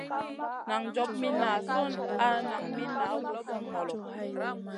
Nan job mi nazion al nan mi na voo sùn ŋolo.